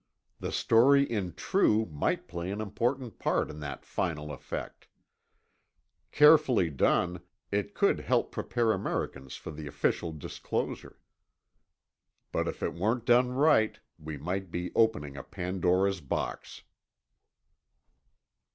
The story in True might play an important part in that final effect. Carefully done, it could help prepare Americans for the official disclosure. But if it weren't done right, we might be opening a Pandora's box.